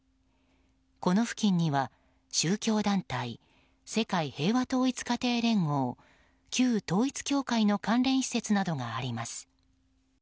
この付近には宗教団体世界平和統一家庭連合旧統一教会の関連施設などがあります。